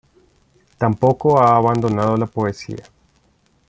Tampoco ha abandonado la poesía.